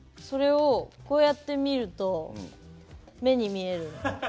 こうやって見ると目に見える。